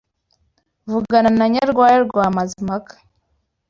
vugana na Nyarwaya rwa Mazimpaka